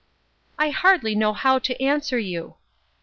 "I hardly know how to answer you."